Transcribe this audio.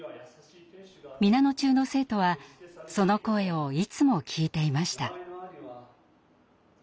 皆野中の生徒はその声をいつも聞いていました。